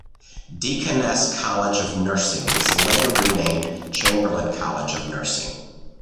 Deaconess College of Nursing was later renamed Chamberlain College of Nursing.